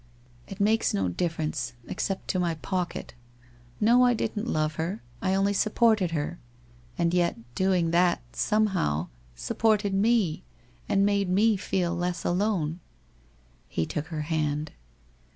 '' It makes no difference, except to my pocket. No, I didn't love her, I only supported her, and yet doing that, somehow, supported me, and made me feel less alone.' He took her hand.